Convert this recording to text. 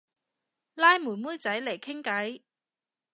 拉妹妹仔嚟傾偈